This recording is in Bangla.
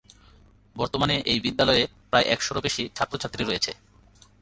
বর্তমানে এই বিদ্যালয়ে প্রায় একশ'রও বেশি ছাত্র-ছাত্রী রয়েছে।